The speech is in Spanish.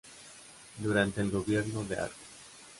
Durante el gobierno del Arq.